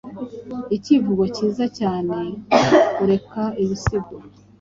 icyivugo Cyiza Cyane, ureka Ibisigo!